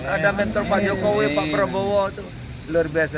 ada mentor pak jokowi pak prabowo itu luar biasa